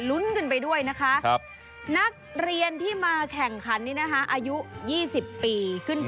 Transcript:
ลุ้นกันไปด้วยนะคะครับนักเรียนที่มาแข่งขันนี่นะคะอายุยี่สิบปีขึ้น